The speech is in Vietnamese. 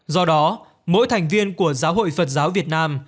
do đó mỗi thành viên của giáo hội phật giáo việt nam